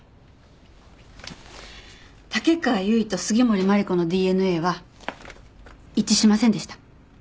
竹川由衣と杉森真梨子のＤＮＡは一致しませんでした。